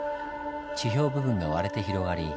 地表部分が割れて広がり